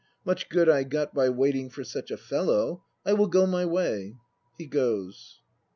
Much good I got by waiting for such a fellow! I will go my way. (He goes.)